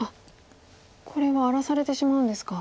これは荒らされてしまうんですか。